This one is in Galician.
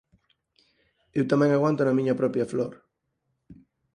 Eu tamén aguanto na miña propia flor.